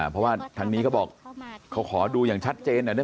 เพราะว่าทางนี้เขาบอกเขาขอดูอย่างชัดเจนหน่อย